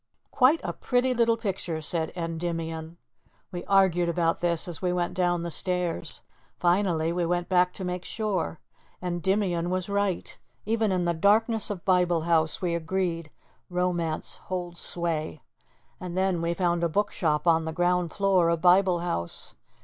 "Quite a pretty little picture," said Endymion. We argued about this as we went down the stairs. Finally we went back to make sure. Endymion was right. Even in the darkness of Bible House, we agreed, romance holds sway. And then we found a book shop on the ground floor of Bible House.